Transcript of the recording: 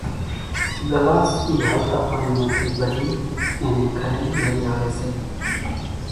ڳلاس اِي ھالتا پاڻي مان ٿي ڀرين اين نين گھرين لئي آوي سي